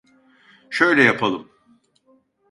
Şöyle yapalım…